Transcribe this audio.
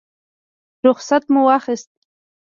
رخصت مو واخیست.